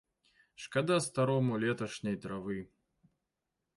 Шкада старому леташняй травы.